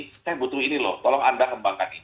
saya butuh ini loh tolong anda kembangkan ini